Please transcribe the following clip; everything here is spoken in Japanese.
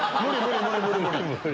無理無理無理！